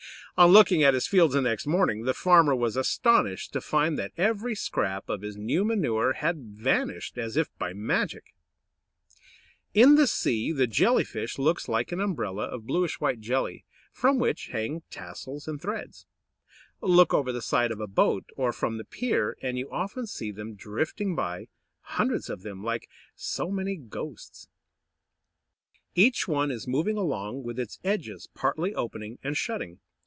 On looking at his fields the next morning, the farmer was astonished to find that every scrap of his new manure had vanished as if by magic! [Illustration: WEST PAN SAND BUOY. ONE OF THE MANY BUOYS AT THE MOUTH OF THE THAMES.] In the sea the Jelly fish looks like an umbrella of bluish white jelly, from which hang tassels and threads. Look over the side of a boat, or from the pier, and you often see them drifting by, hundreds of them, like so many ghosts. Each one is moving along, with its edges partly opening and shutting.